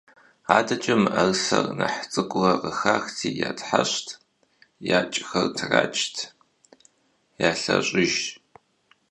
АдэкӀэ мыӀэрысэр, нэхъ цӀыкӀуурэ къыхахри, ятхьэщӀ, якӀхэр кърач, ялъэщӀыж.